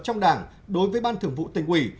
trong đảng đối với ban thường vụ tỉnh ủy